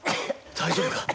大丈夫か？